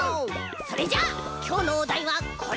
それじゃあきょうのおだいはこれ！